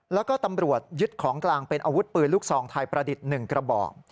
แล้วก็ตำรวจยึดของกลางเป็นอาวุธปืนลูกซองไทยประดิษฐ์๑กระบอก